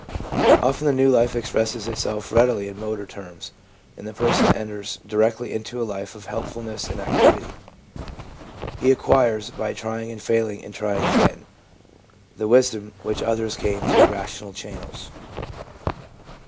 Often the new life expresses itself readily in motor terms, and the person enters directly into a life of help fulness and activity. He acquires, by trying and failing and trying again, the wisdom which others gain through rational channels.